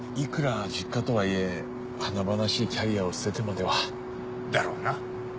いくら実家とはいえ華々しいキャリアを捨ててまでは。だろうな。